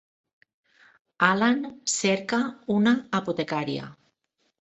Allan cerca una apotecaria.